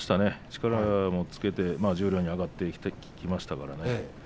力をつけて十両に上がってきましたからね。